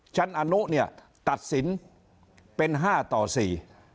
ชั้นอนุเนี่ยตัดสินเป็นห้าต่อสี่